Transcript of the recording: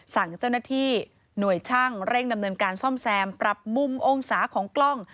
สั่งเจ้าหน้าที่หน่วยช่างเร่งดำเนินการซ่อมแซมปรับมุมองศาของกล้อง